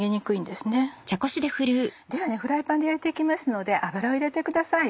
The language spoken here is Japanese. ではフライパンで焼いて行きますので油を入れてください。